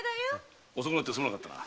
遅くなってすまなかったな。